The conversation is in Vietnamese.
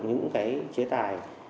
những cái chế tải